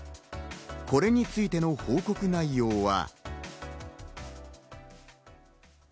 これについての報告内容は。